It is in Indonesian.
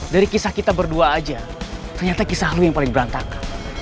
dari kisah kita berdua aja ternyata kisah lu yang paling berantakan